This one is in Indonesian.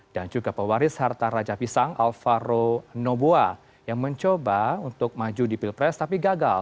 dan juga pewaris harta raja pisang alvaro noboa yang mencoba untuk maju di pilpres tapi gagal